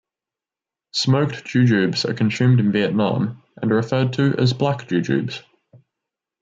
Smoked jujubes are consumed in Vietnam and are referred to as black jujubes.